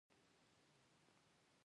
افغانستان له دغو ریګ دښتو ډک دی.